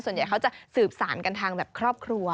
ส่วนใหญ่เขาจะสืบสารกันทางแบบครอบครัว